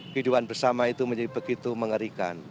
kehidupan bersama itu menjadi begitu mengerikan